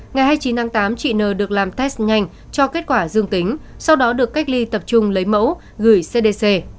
ngày hai mươi chín tháng tám chị n được làm test nhanh cho kết quả dương tính sau đó được cách ly tập trung lấy mẫu gửi cdc